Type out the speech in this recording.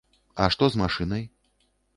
А што з машынай?